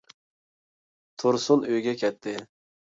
تۇرسۇن ئۆيىگە كەتتى.